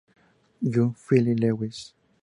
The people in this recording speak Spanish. Guns Phil Lewis.